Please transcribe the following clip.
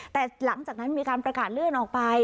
แต่หลังจากนั้นมีการประกาศเลื่อนออกไป